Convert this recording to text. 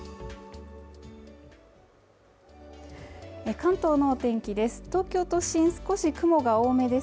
関東の天気です